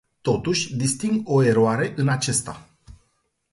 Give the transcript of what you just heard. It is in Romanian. Totuși, disting o eroare în acesta.